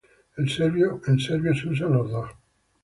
En serbio se usan los dos.